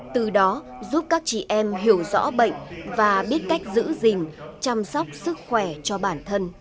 từ đó giúp các chị em hiểu rõ bệnh và biết cách giữ gìn chăm sóc sức khỏe cho bản thân